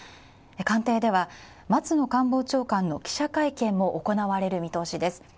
官邸では、松野官房長官の記者会見も行われる見通しです。